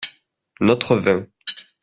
Notre vin.